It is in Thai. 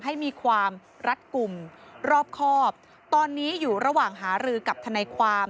ให้มีความรัดกลุ่มรอบครอบตอนนี้อยู่ระหว่างหารือกับทนายความ